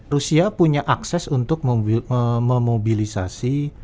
rusia punya akses untuk memobilisasi